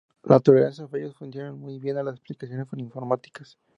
La tolerancia a fallos funciona muy bien en las aplicaciones informáticas.